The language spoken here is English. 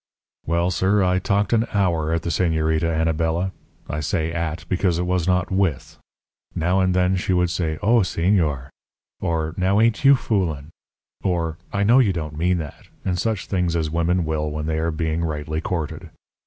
"Well, sir, I talked an hour at the Señorita Anabela. I say 'at' because it was not 'with.' Now and then she would say: 'Oh, Señor,' or 'Now, ain't you foolin'?' or 'I know you don't mean that,' and such things as women will when they are being rightly courted.